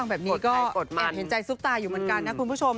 แบบนี้ก็แอบเห็นใจซุปตาอยู่เหมือนกันนะคุณผู้ชม